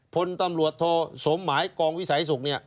พลตำรวจโทสมหมายกองวิสัยศุกร์เนี่ย